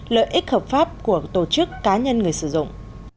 lợi ích hợp pháp của tổ chức cá nhân người sử dụng